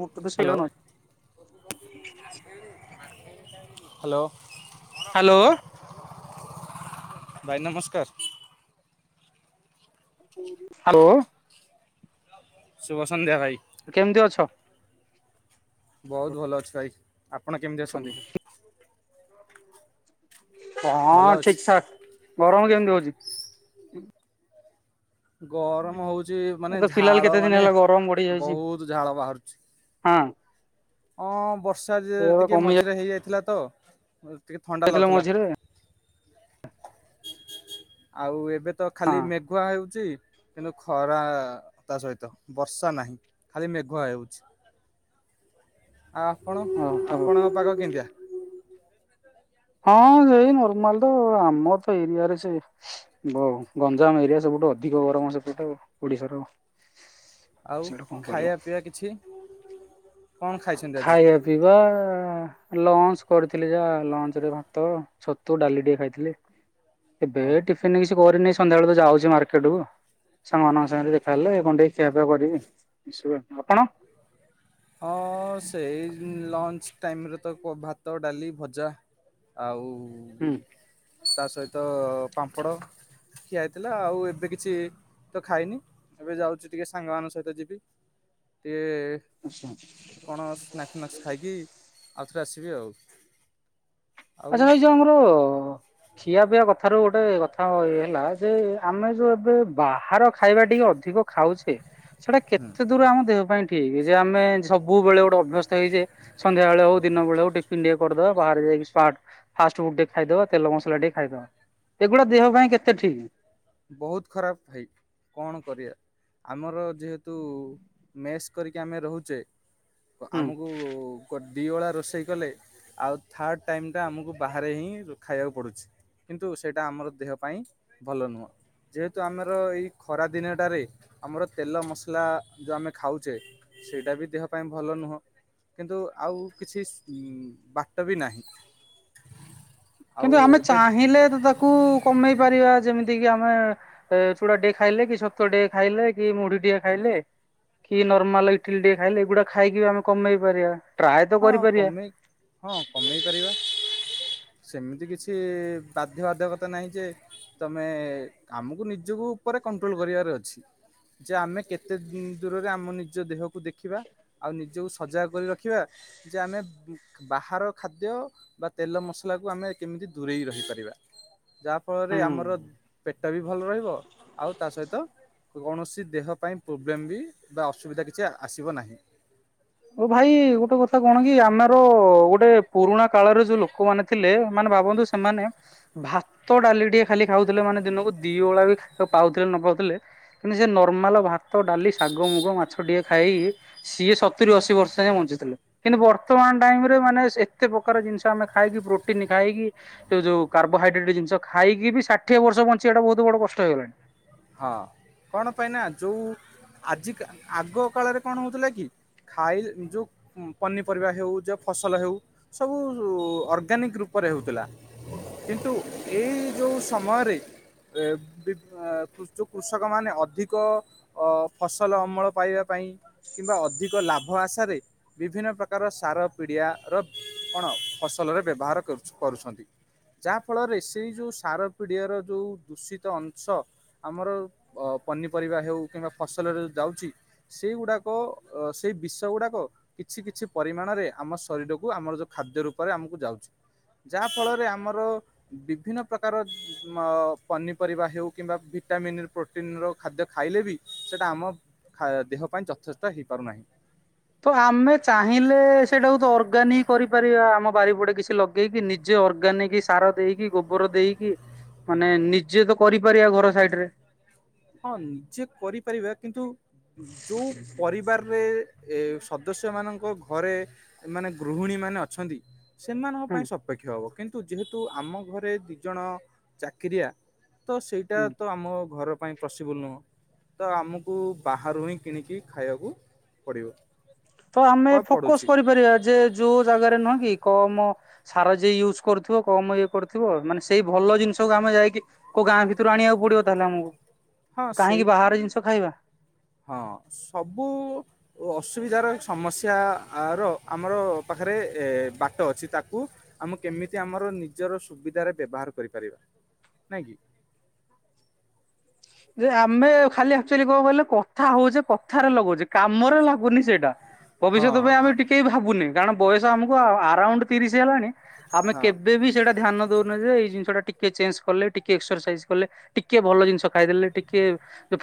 ମୁହତ ତ ସେଇଟ ହ୍ୟାଲୋ ନ। [inaudible] Hello. Hello. ଭାଇ ନମସ୍କାର। ହ୍ୟାଲୋ। ଶୁଭସନ୍ଧ୍ୟା ଭାଇ। କେମିତି ଅଛ? ବହୁତ ଭଲ ଅଛି ଭାଇ, ଆପଣ କେମିତି ଅଛନ୍ତି? ଭଲ ହଁ ଅଛି ଠିକ୍ ଠାକ୍। ଗରମ କେମତି ହଉଛି? ଗରମ ହଉଛି, ମାନେ ଏବେ ଫିଲାଲ ଝାଳ କେତେ ଦିନ ମାନେ ହେଲା ଗରମ ବଢି ଯାଇଛି ବହୁତ ଝାଳ ବାହାରୁଛି। ହଁ। ହଁ ବର୍ଷା ଏବେ ଟିକେ କମି ମଝିରେ ହେଇଯାଇଥିଲା ତ ଟିକେ ଥଣ୍ଡା ଯାଇଥିଲା ଲାଗୁଥିଲା। ମଝିରେ ଆଉ ଏବେ ତ ହଁ ଖାଲି ମେଘୁଆ ହେଉଛି। କିନ୍ତୁ ଖରା ତା ସହିତ ବର୍ଷା ନାହିଁ ଖାଲି ମେଘୁଆ ହେଉଛି। ଆଉ ଆପଣ ଓହୋ ଆପଣଙ୍କ ପାଗ କେମିତିଆ? ହଁ ସେଇ ନର୍ମାଲ ତ ଆମର ତ ଏରିଆରେ ସେ ଗଞ୍ଜାମ ଏରିଆ ସବୁ ସବୁଠୁ ଅଧିକ ଗରମ ସେପଟେ, ଓଡିଶାର। ଆଉ ସେଇଟା କଣ କରିବ ଖାଇବା ପିଇବା କିଛି କଣ ଖାଇଛନ୍ତି ଆଜି? ଖାଇବା ପିଇବା ଲଞ୍ଚ କରିଥିଲି ଯାହା ଲଞ୍ଚ ରେ ଭାତ, ଛତୁ, ଡାଲି ଟିକେ ଖାଇଥିଲି। ଏବେ ଓହୋ ଟିଫିନ କିଛି କରିନି ସନ୍ଧ୍ୟାବେଳ ଯାଉଛି ମାର୍କେଟ କୁ ସାଙ୍ଗମାନଙ୍କ ସାଙ୍ଗରେ ଦେଖାହେଲେ କ ଖିଆପିଆ କରିବି। ଆପଣ? ହଁ ସେଇ ଲଞ୍ଚ ଟାଇମରେ ତ ଭାତ, ଡାଲି, ଭଜା ଆଉ ହୁଁ। ତା ସହିତ ପାମ୍ପଡ଼ ଖିଆ ହେଇଥିଲା। ଆଉ ଏବେ କିଛି ତ ଖାଇନି, ଏବେ ଯାଉଛି ଟିକେ ସାଙ୍ଗ ମାନଙ୍କ ସହିତ ଯିବି ଟିକେ କଣ ସ୍ନାକ୍ ନସ୍ ଖାଇକି ଆଉଥରେ ଆସିବି ଆଉ। ଆଉ ଆଛା ଏଇ ଯୋଉ ଆମର ଖିଆ ପିଇବା କଥାରୁ ଗୋଟେ କଥା ଇ ହେଲା, ଯେ ଆମେ ଯୋଉ ଏବେ ବାହାର ଖାଇବା ଟିକେ ଅଧିକ ଖାଉଛେ ସେଟା କେତେ ଦୂର ଆମ ଦେହ ପାଇଁ ଠିକ୍ ଯେ ଆମେ ସବୁବେଳେ ଗୋଟେ ଅଭ୍ୟସ୍ଥ ହେଇଛେ, ସଧ୍ୟାବେଳେ ହଉ ଦିନ ବେଳେ ହଉ ଟିଫିିନ ଟିକେ କରିଦବା ବାହାରେ ଯାଇକି। ଫାଷ୍ଟ ଫୁଡ ଟିକେ ଖାଇଦବା ତେଲ ମସଲା ଟିକେ ଖାଇଦବା ଏଗୁଡା ଦେହ ପାଇଁ କେତେ ଠିକ? ବହୁତ ଖରାପ ଭାଇ କଣ କରିବା ଆମର ଯେହେତୁ ମେସ୍ କରିକି ଆମେ ରହୁଛେ ହୁଁ। ଆମକୁ ଦୁଇଓଳା ରୋଷେଇ କଲେ, ଆଉ ଥାର୍ଡ଼ ଟାଇମଟା ଆମକୁ ବାହାରେ ହିଁ ଖାଇବାକୁ ପଡ଼ୁଛି। କିନ୍ତୁ ସେଇଟା ଆମର ଦେହ ପାଇଁ ଭଲ ନୁହଁ। ଯେହେତୁ ଆମର ଏଇ ଖରା ଦିନଟାରେ ଆମର ତେଲ ମସଲା ଯୋଉ ଆମେ ଖାଉଛେ ସେଇଟା ବି ଦେହ ପାଇଁ ଭଲ ନୁହଁ। କିନ୍ତୁ ଆଉ କିଛି ଉ ବାଟ ବି ନାହିଁ। ଆଉ କିନ୍ତୁ ଆମେ ଏବେ ଚାହିଁଲେ ତ ତାକୁ କମେଇ ପାରିବା ଯେମିତି ଯେତିକି ଆମେ ଚୁଡା ଟିକେ ଖାଇଲେ, କି ଛତୁଆ ଟିକେ ଖାଇଲେ, କି ମୁଢି ଟିକେ ଖାଇଲେ କି ନର୍ମାଲ ଇଟିଲି ଟିକେ ଖାଇଲେ ଏଇଗୁଡା ଖାଇକି ବି ଆମେ କମେଇ ପାରିବା। ଟ୍ରାଏ ତ ହଁ କରିପାରିବା କମେଇ ହଁ କମେଇ ପାରିବା। ସେମିତି କିଛି ବାଧ୍ୟ ବାଧ୍ୟକତା ନାହିଁ ଯେ ତମେ ଆମକୁ ନିଜକୁ ଉପରେ କଣ୍ଟ୍ରୋଲ କରିବାର ଅଛି। ଯେ ଆମେ କେତେ ଦୂରରେ ଆମ ନିଜ ଦେହକୁ ଦେଖିବା। ଆଉ ନିଜକୁ ସଜାଗ କରି ରଖିବା। ଯେ ଆମେ ବାହାର ଖାଦ୍ୟ ବା ତେଲ ମସଲାକୁ ଆମେ କେମିତି ଦୂରେଇ ରହିପାରିବା। ଯାହା ଫଳରେ ଆମର ହୁଁ। ପେଟ ବି ଭଲ ରହିବ ଆଉ ତା ସହିତ କୌଣସି ଦେହ ପାଇଁ ପ୍ରୋବ୍ଲେମ ବି ବା ଅସୁବିଧା କିଛି ଆସିବ ନାହିଁ। ଓ ଭାଇ ଗୋଟେ କଥା କଣ କି ଆମର ଗୋଟେ ପୁରୁଣା କାଳରେ ଯୋଉ ଲୋକମାନେ ଥିଲେ ମାନେ ଭାବନ୍ତୁ ସେମାନେ ଭାତ, ଡାଲି ଟିକେ ଖାଲି ଖାଉଥିଲେ ମାନେ ଦିନକୁ ଦିଓଳା ବି ପାଉଥିଲେ ନ ପାଉଥିଲେ କିନ୍ତୁ ସେ ନର୍ମାଲ ଭାତ, ଡାଲି, ଶାଗ, ମୁଗ, ମାଛ ଟିକେ ଖାଇ ସିଏ ସତ ସତୁରୀ ଅଶୀ ବର୍ଷ ଯାଏ ବଞ୍ଚିଥିଲେ କିନ୍ତୁ ବର୍ତ୍ତମାନ ଟାଇମ ରେ ମାନେ ଏତେ ପ୍ରକାର ଜିନିଷ ଆମେ ଖାଇକି ପ୍ରୋଟିନ୍ ଖାଇ ଖାଇକି ଯୋଉ କାର୍ବୋହାଇଡ୍ରେଟ୍ ଜିନିଷ ଖାଇକ ବି ଷାଠିଏ ବର୍ଷ ବଞ୍ଚି ଏଇଟା ବହୁତ ବଡ କଷ୍ଟ ହେଇଗଲାଣି। ହଁ କଣ ପାଇଁ ନା ଯୋଉ ଆଜି ଆଗ କାଳରେ କଣ ହଉଥିଲା କି? ଖାଇ ଯୋଉ ପନିପରିବା ହେଉ ଯୋଉ ଫସଲ ହେଉ ସବୁ ଅର୍ଗାନିକ ରୂପ ପରେ ହେଉଥିଲା କିନ୍ତୁ ଏଇ ଯୋଉ ସମୟରେ ଵି କିନ୍ତୁ କୃଷକ ମାନେ ଅଧିକ ଫସଲ ଅମଳ ପାଇବା ପାଇଁ କିମ୍ବା ଅଧିକ ଲା ଲାଭ ଆଶାରେ ବିଭିନ୍ନ ପ୍ରକାର ସାର ପିଡ଼ିଆ ର କଣ ଫସଲରେ ବ୍ୟବହାର କରୁ କରୁଛନ୍ତି। ଯାହା ଫଳରେ ସେଇ ଯୋଉ ସାର ପିଡିଆର ଯୋଉ ଦୂଷିତ ଅଂଶ। ଆମର ପନିପରିବା ହେଉ କିମ୍ବା ଫସଲରେ ଯାଉଛି ସେଇଗୁଡ଼ାକ ସେଇ ବିଷ ଗୁଡାକ କିଛି କିଛି ପରିମାଣରେ ଆମ ଶରୀରକୁ ଆମର ଯୋଉ ଖାଦ୍ୟ ରୂପରେ ଆମକୁ ଯାଉଛି। ଯାହା ଫଳରେ ଆମର ବିଭିନ୍ନ ପ୍ରକାର ପନିପରିବା ହେଉ କିମ୍ବା ଭିଟାମିନ ପ୍ରୋଟିନ ର ଖାଦ୍ୟ ଖାଇଲେ ବି ସେଇଟା ଆମ ଖାଇବା ଦେହ ପାଇଁ ଯଥେଷ୍ଟ ହେଇପାରୁନାହିଁ। ତ ଆମେ ଚାହିଁଲେ ସେଇଟାକୁ ତ ଅର୍ଗାନିକ କରିପାରିବା ଆମ ବାରିପଡେ କିଛି ଲଗେଇକି ନିଜେ ଅର୍ଗାନିକ ସାର ଦେଇକି ଗୋବର ଦେଇକି। ମାନେ ନିଜେ ତ କରିପାରିବା ଘର ସାଇଡରେ ହଁ ନିଜେ କରିପାରିବା କିନ୍ତୁ ଯୋଉ ପରିବାରରେ ଏ ସଦସ୍ୟ ମାନଙ୍କ ଘରେ ମାନେ ଗୃହିଣୀ ମାନେ ଅଛନ୍ତି। ସେମାନଙ୍କ ହୁଁ ପାଇଁ ସପେକ୍ଷ ହବ କିନ୍ତୁ ଯେହେତୁ ଆମ ଘରେ ଦୁଇଜଣ ଚାକିରିଆ। ତ ସେଇଟା ହୁଁ ତ ଆମ ଘର ପାଇଁ ପ୍ରସିବୁଲ୍ ନୁହଁ ତ ଆମକୁ ବାହାରୁ ହିଁ କିଣିକି ଖାଇବାକୁ ପଡ଼ିବ। ତ ଆମେ ଫୋକସ କରିପାରିବା ଯେ ଯୋଉ ଜାଗାରେ ନୁହଁ କି କମ ସାର ଯିଏ ୟୁଜ୍ କରୁଥିବ କମ ଇଏ କରୁଥିବ ମାନେ ସେଇ ଭଲ ଜିନିଷକୁ ଆମେ ଯାଇକିୋ ଗାଁ ଭିତରୁ ଆଣ ଜଣିବାକୁ ପଡିବ ତାହେଲେ ଆମକୁ। ହଁ ସେଇ କାହିଁକି ବାହାର ଜିନିଷ ଖାଇବା [inaudible] ହଁ ସବୁ ଅସୁବିଧାର ସମସ୍ୟାର ଆର ଆମର ପାଖରେ ବାଟ ଅଛି ତାକୁ ଆମକୁ କେମିତି ଆମର ନିଜର ସୁବିଧାରେ ବ୍ୟବହାର କରିପାରିବା ନାଇଁକି। ହ ଯେ ଆମେ ଖାଲି ଆଚୁଆଲି କଣ କହିଲ କଥା ହଉଛେ କଥାରେ ଲଗଉଛେ କାମରେ ଲାଗୁନି ସେଇଟା। ହଁ ଭବିଷ୍ୟତ ପାଇଁ ଆମେ ଆମ୍- ଟିକେ ଭାବୁନି କାରଣ ବୟସ ଆମକୁ ଆରାଉଣ୍ଡ ତିରିଶ ବୁଝିହେଲାଣି ଆମେ ହଁ କେବେ ବି ସେଇଟା ଧ୍ୟାନ ଦଉ ଇ ଜିନିଷଟା ଟିକେ ଚେଞ୍ଜ କଲେ ଟିକେ ଏକ୍ସର ସାଇଜ କଲେ ଟିକେ ଭଲ ଜିନିଷ ଖାଇଦେଲେ ଟିକେ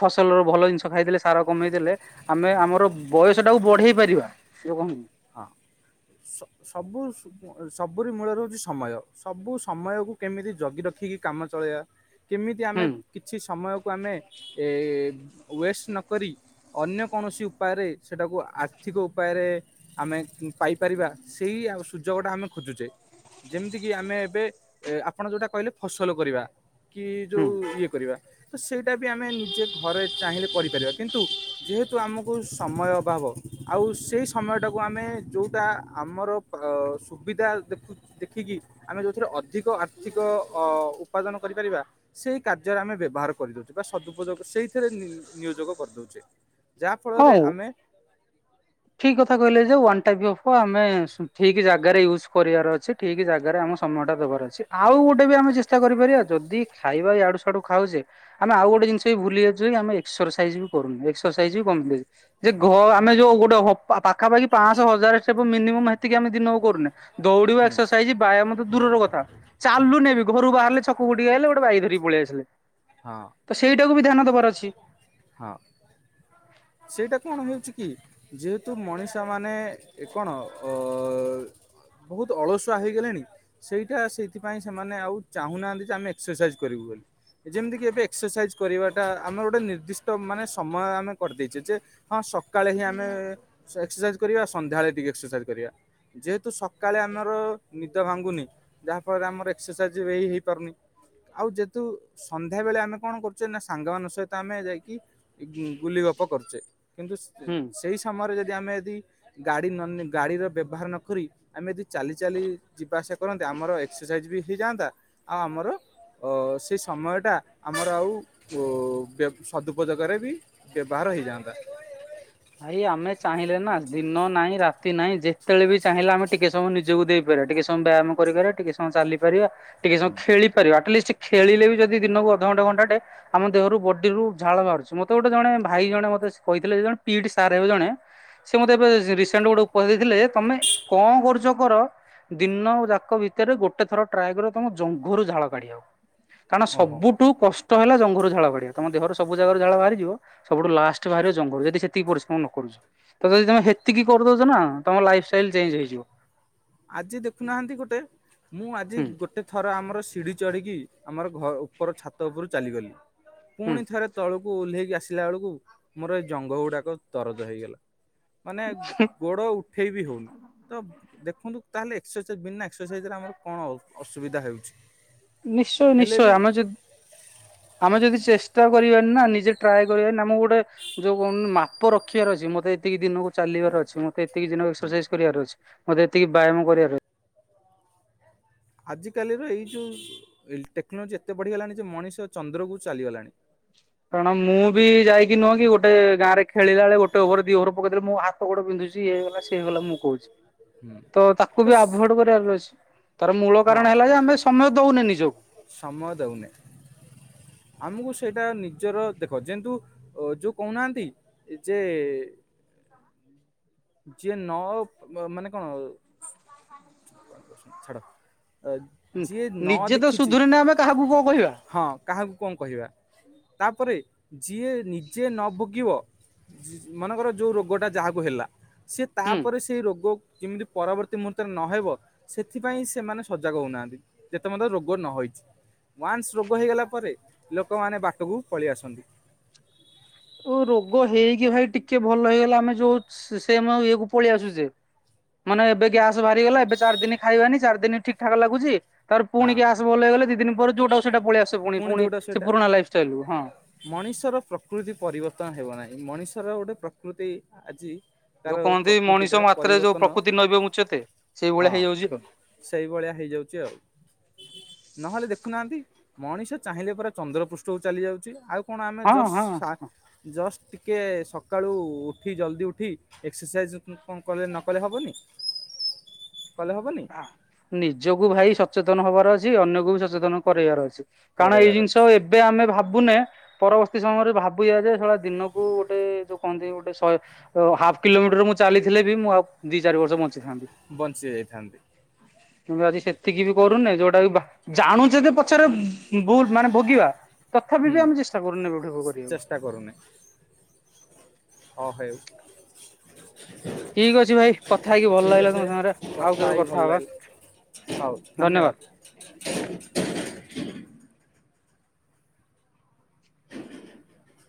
ଫସଲର ଭଲ ଜିନିଷ ଖାଇଦେଲେ ସାର କମେଇଦେଲେ ଆମେ ଆମର ବୟସଟା କୁ ପଢେଇ ପାରିବା। ଯୋଉ କହନ୍ତି ହଁ ସବୁ ସବୁ ସବୁରି ମୂଳ ରହୁଛି ସମୟ ସବୁ ସମୟକୁ କେମିତି ଜଗି ରଖିକି କାମ ଚଳେଇବା। କେମିତି ଆମେ ହୁଁ କିଛି ସମୟକୁ ଆମେ ୱେଷ୍ଟ ନ କରିରି ଅନ୍ୟ କୌଣସି ଉପାୟରେ ସେଟାକୁ ଆର୍ଥିକ ଉପାୟରେ ଆମେ ପାଇପାରିବା ସେଇ ସୁଯୋଗ ଟା ଆମେ ଖୋଜୁଛେ। ଯେମ୍ ତି କିି ଆମେ ଏବେ ଆପଣ ଯୋଉଟା କହିଲେ ଫସଲ କରିବା କି ହୁଁ ଯୋଉ ଇଏ କରିବା ତ ସେଇଟା ବି ଆମେ ନିଜେ ଘରେ ଚାହିଁଲେ କରିପାରିବା କିନ୍ତୁ ଯେହେତୁ ଆମକୁ ସମୟ ଅଭାବ। ଆଉ ସେଇ ସମୟଟାକୁ ଆମେ ଯେଉଁଟା ଆମର ସୁବିଧା ଦେଖିକି ଆମେ ଯେଉଁଥିରେ ଅଧି ଅଧିକ ଆର୍ଥିକ ଉପାର୍ଜନ କରିପାରିବା ସେହି କାର୍ଯ୍ୟରେ ଆମେ ବ୍ୟ ବାହାର କରିଦଉଛି ବା ସଦୁପଯୋଗ ସେଇଥିରେ ନିୟୋଜୋଗ କରିଦଉଚେ। ଯାହାଫଳରେ ହଉ ଆମେ ଠିକ କଥା କହିଲେ ଯେ ୱାନଟାଇପ ଅଫ ଆମେ ଠିକ ଜାଗାରେ ୟୁଜ୍ କରିବାର ଅଛି ଠିକ ଜାଗାରେ ଆମ ସମ ବାର ଅଛି ଆଉ ଗୋଟେ ବି ଆମେ ଚେଷ୍ଟା କରିପାରିବା ଯଦି ଖାଇବା ଇ ଆଡୁ ସଡୁ ଖାଉଚେ ଆମେ ଆଉ ଗୋଟେ ଜି ସେଇ ଭୁଲିଯାଉଛି ଆମେ ଏକ୍ସରସାଇଜ ଵି କରୁନୁ ଏକ୍ସର ଵି କମ୍ପଲିଟି ଯେ ଘ ଆମେ ଯୋଉ ଡ଼ହ ପା ପାଖାପାଖି ପାଁଶହ ହଜାର ଥିବ ମିନିମମ୍ ହେତିକି ଆମେ ଦିନକୁ କରୁନେ। ଦୌଡିବା ଏକ୍ସରସାଇଜ୍ ବାୟାମ ତ ଦୂରର କଥା ଚାଲୁନେବି ଘରୁ ବାହାରିଲେ ଛ କୁ ଟିକେ ଆଇଲେ ଗୋଟେ ବାଇକ୍ ଧରି ପଳେଇ ଆସିଲେ। ହଁ ତ ସେଇଟାକୁ ବି ଧ୍ୟାନ ଦବାର ଅଛି। ହଁ। ସେଇଟା କଣ ହେଉଛି କି? ଯେହେତୁ ମଣିଷମାନେ ଏ କଣ ଅ ବହୁତ ଅଳସୁଆ ହେଇଗଲେଣି ସେଇଟା ସେଇଥିପାଇଁ ସେମାନେ ଆଉ ଚାହୁଁନାହାନ୍ତି ଯେ ଆମେ ଏକ୍ସରସାଇଜ କରିବୁ। [inaudible] ଯେମିତିକି ଏବେ ଏକ୍ସରସାଇଜ କରିବାଟା ଆମର ଗୋଟେ ନିର୍ଦ୍ଦିଷ୍ଟ ମାନେ ସମୟ ଆମେ କରିଦେଇଛେ ଯେ ହଁ ସକ୍ ସକାଳେ ହିଁ ଆମେ ଏକ୍ସରସାଇଜ୍ କରିବା ସନ୍ଧ୍ୟାବେଳେ ଟିକେ ଏକ୍ସରସାଇଜ୍ କରିବା। ଯେହେତୁ ସ କାଳେ ଆମର ନିଦ ଭାଙ୍ଗୁନି ଯାହା ଫଳରେ ଆମର ଏକ୍ସରସାଇଜ ହେଇ ହେଇପାରୁନି। ଆଉ ଯେହେତୁ ସନ୍ଧ୍ୟା ବେଳେ ଆମେ କଣ କରୁଛେ ନା ସାଙ୍ଗମାନଙ୍କ ସହି ଆମେ ଯାଇକି ଗୁ ଗୁଲି ଗପ କରୁଛେ, କିନ୍ତୁ ହୁଁ। ସେଇ ସମୟରେ ଯଦି ଦି ଆମେ ୟଦି ଗାଡି ନ ନେ ଗାଡିର ବ୍ୟବହାର ନ କରି ଆମେ ଯଦି ଚାଲି ଚାଲି ଯିବା ଆସିବା କରନ୍ତେ, ଆମର ଏକ୍ସରସାଇଜ୍ ବି ହୋଇଯାଆନ୍ତା ଆଉ ଆମର ଅ ସେ ସମୟଟା ଆମର ଆଉ ବ୍ୟ ସଦୁପଯୋଗରେ ବି ବ୍ୟବହାର ହେଇଯାଆନ୍ତା। [inaudible] ଭାଇ ଆମେ ଚାହିଁଲେ ନା ଦିନ ନାହିଁ ରାତି ନାହିଁ ଯେତେବେଳେ ବି ଚାହିଁଲେ ଆମେ ଟିକେ ସମୟ ନିଜକୁ ଦେଇପାର ଟିକେ ସମୟ ବ୍ୟାୟାମ କରିପାରିବା ଟିକେ ସମୟ ଚାଲିପାରିବା ଟିକେ ସମୟ ଖେଳିପାରିବା ଆଟଲିଷ୍ଟ୍ କିଛି ଖେଳିଲେ ବି ଯଦି ଦିନକୁ ଅଧଘଣ୍ଟା ଘଣ୍ଟାଟେ ଆମ ଦେହରୁ ବଡିରୁ ଝାଳ ବାହାରୁଚି। ମତେ ଗୋଟେ ଜଣେ ଭାଇ ଜଣେ ମତେ ସେ କହିଥିଲେ ଜଣେ ପି ଟି ସାର୍ ହେବେ ଜଣେ ସେ ମତେ ଏବେ ରିସେଣ୍ଟ ଗୋଟେ ଉପଦେଶ ଦେଇଥିଲେ, ତମେ କଣ କରୁଛ କର ଦିନ ଯାକ ଭିତରେ ଗୋଟେ ଥର ଟ୍ରାଏ କରିବ ତମ ଜଙ୍ଘରୁ ଝାଳ କଢ଼ିଆକୁ। କାରଣ ଓହୋ ସବୁଠୁ କଷ୍ ଷ୍ଟ ହେଲା ଜଂଘରୁ ଝାଳ ବାହାରିବା। ତମ ଦେହରୁ ସବୁ ଜାଗା ରୁ ଝାଳ ବାହାରି ଯିବ, ସବୁଠୁ ଲାଷ୍ଟ୍ ରେ ବାହାରିବ ଜଙ୍ଘରୁ। ଯଦି ସେ ତିକି ପରିଶ୍ରମ ନ କରୁଛ। ଯଦି ତମେ ହେତିକି କରିଦଉଛ ନା ତମ ଲାଇଫ ଷ୍ଟାଇଲ ଚେଞ୍ଜ ହେଇଯିବ। ଆଜି ଦେଖୁନାହାନ୍ତି ଗୋଟେ ମୁଁ ଆଜି ହୁଁ ଗୋଟେ ଥର ଆମର ସିଢି ଚଢ଼ିକି ଆମର ଘ ଉପର ଛାତ ଉପରୁ ଚାଲିଗଲି ହୁଁ। ପୁଣି ଥରେ ତଳକୁ ଓହ୍ଲେଇକି ଆସିଲା ବେଳକୁ ମୋର ଏଇ ଜଙ୍ଘ ଗୁଡାକ ଦରଜ ହେଇଗଲା। ମାନେ ଗୋଡ ଉଠେଇ ବି ହଉନି ତ ଦେଖ ଦେଖନ୍ତୁ ତାହଲେ ଏକ୍ସରସାଇଜ ବିନା ଏକ୍ସରସାଇଜରେ, ଆମର କଣ ଅସୁବିଧା ହଉଛି? ନିଶ୍ଚୟ ନିଶ୍ଚୟ ଆମେ ଯଦି ଆମେ ଯଦି ଚେଷ୍ ଷ୍ଟା କରିବାନି ନା ନିଜେ ଟ୍ରାଏ କରିବାନି ଆମର ଗୋଟେ ଯୋଉ କହନ୍ତି ମାପ ରଖିବାର ଅଛି ମୋତେ ଏତିକି ଦିନକୁ ଚାଲିବାର ଅଛି ମତେ ଏତିକି ଦିନ ଏକ୍ସରସାଇଜ୍ କରିବାର ଅଛି ମତେ ଏତିକି ବ୍ୟାୟାମ କରିବାର ଅଛି ଆଜି କାଲିର ଏଇ ଯୋଉ ଟେକ୍ନୋଲୋଜି ଏତେ ବଢିଗଲାଣି ଯେ ମଣିଷ ଚନ୍ଦ୍ରକୁ ଚାଲିଗଲାଣି। [inaudible] କାରଣ ମୁଁ ବି ଯାଇକି ନୁହଁ କି ଗୋଟେ ଗାଁରେ ଖେଳିଲା ବଳେ ଗୋଟେ ଓଭର ଦି ଓଭର ପକେଇଦେଲେ ମୋ ହାତ ଗୋଡ ବିନ୍ଧୁଛି। ଇଏ ହେଇଗଲା ସିଏ ହେଇଗଲା ମୁଁ କହୁଛି ହୁଁ ତ ତାକୁ ବି ଆଭଏଡ୍ କରିବାର ଅଛି। ତାର ମୂଳ ହଁ କାରଣ ହେଲା ଯେ ଆମେ ସମୟ ଦଉନେ ନିଜକୁ। ସମୟ ଦଉନି। ଆମକୁ ସେଇଟା ନିଜର ଦେଖ ଯେହତୁ ଯୋଉ କହୁନାହାନ୍ତି ଯେ [inaudible] ଯିଏ ନଅ ମାନେ କଣ ଛାଡ ଯିଏ ନ ନିଜେ ତ ଦେଖିଛି ସୁଧୁରିନେ ଆମେ କାହାକୁ କଣ କହିବା ହଁ କାହାକୁ କଣ କହିବା? ତାପରେ ଯିଏ ନିଜେ ନ ଭୋଗିବ ମନେକର ଯେଉଁ ରୋଗଟା ଯାହାକୁ ହେଲା ସିଏ ହୁଁ। ତାପରେ ସେଇ ରୋଗ କେମିତି ପରବର୍ତ୍ତୀ ମୁହୂର୍ତ୍ତରେ ନହେବ ସେଥିପାଇଁ ସେମାନେ ସଜାଗ ହଉନାହାନ୍ତି। ଯେତେ ମଧ୍ୟ ରୋଗ ନ ହେଇଛି। ୱାନ୍ସ ରୋଗ ହେଇଗଲା ପରେ ଲୋକମାନେ ବାଟକୁ ପଳେଇ ଆସନ୍ତି। [inaudible] ଓ ରୋଗ ହେଇକି ଭାଇ ଟିକେ ଭଲ ହେଇଗଲା ଆମେ ଯୋଉ ସେମ୍ ଆଉ ଇଏକୁ ପଳେଇ ଆସୁଛେ। ମାନେ ଏବେ ଗ୍ୟାସ ବାହାରିଗଲା ଏବେ ଚାରି ଦିନ ଖାଇବାନି ଚାରି ଦିନ ଠିକ୍ ଠାକ୍ ଲାଗୁଛି ତାର ପୁଣି ହଁ ଗ୍ୟାସ ଭଲ ହେଇଗଲେ ଦି ଦିନ ପରେ ଯୋଉାଟାକୁ ସେଟା ପଳେଆସ ପୁଣି ପୁଣି-ପୁଣି ଯୋଉଟା ସେ ସେଇଟା ପୁରୁଣା ଲାଇଫଷ୍ଟାଇଲ ହଁ। ମଣିଷର ପ୍ରକୃତି ପରିବର୍ତ୍ତନ ହେବ ନାହିଁ ମଣିଷର ଗୋଟେ ପ୍ରକୃତି ଆଜି ତାର ଯୋଉ କହନ୍ତି ପ୍ରକୃତିଟା ମଣିଷ ମାତ୍ରରେ ଯୋଉ ପରିବର୍ତ୍ତନ ପ୍ରକୃତି ନଇବ ମୁଚ୍ଚତ ହଁ ସେଇଭଳିଆ ହେଇଯାଉଛି। ସେଇଭଳିଆ ହେଇଯାଉଛି ଆଉ ନହେଲେ ଦେଖ ଦେଖୁନାହାନ୍ତି ମଣିଷ ଚାହିଁଲେ ପରା ଚନ୍ଦ୍ର ପୃଷ୍ଠକୁ ଚାଲି ଯାଉଛି ଆଉ। କଣ ଆମେ ହଁ ଜଷ୍ଟ ହଁ। ସା ଜଷ୍ଟ ଟିକେ ସକାଳୁ ଉଠି ଜଲ୍ଦି ଉଠି ଏକ୍ସରସାଇଜ୍ କଣ କଲେ ନକଲେ ହେବନି। ନିଜକୁ ଭାଇ ସଚେତନ ହବାର ଅଛି ଅନ୍ୟକୁ ବି ସଚେତନ କରାଇବାର ଅଛି। କାରଣ ଏଇ କରେଇବାର ଜିନିଷ ଅଛି ଏବେ ଆମେ ଭାବୁନେ ପରବର୍ତ୍ତୀ ସମୟରେ ଭାବୁ ଯେ ସେଇଳିଆ ଦିନକୁ ଗୋଟେ ଯୋଉ କହନ୍ତି ଗୋଟେ ଶହ ହାଫ୍ କିଲୋମିଟର ମୁଁ ଚାଲିଥିଲେ ବି ମୁଁ ଦି ଚାରି ବର୍ଷ ବଞ୍ଚି ଯାଇଥାନ୍ତି। କୁ ଆଜି ସେତିକି ବି କରୁନି ଯୋଉଟା କି ଜାଣୁଛେ ଯେ ପଛରେ ଭୁଲ ମାନେ ଭୋଗିବା ତଥାପି ହୁଁ ବି ଆମେ ଚେଷ୍ଟା କରୁନଠି ଭୋଗ କରିବାକୁ। ଚେଷ୍ଟା ହଁ ହେଉ। ଠିକ ଅଛି ଭାଇ କଥା ହେଇକି ଭଲ ଲାଗିଲା ଅଛି ତମ ସାଙ୍ଗରେ ଆଉ କେବେ ହେଇକି କଥା ଭଲ ହବା। ଲାଗିଲା ହଉ ଧନ୍ୟବାଦ। ଧନ୍ୟବାଦ। [inaudible]